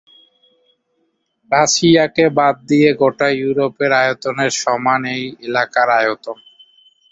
রাশিয়াকে বাদ দিয়ে গোটা ইউরোপের আয়তনের সমান এই এলাকার আয়তন।